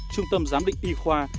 trung tâm giám định y khoa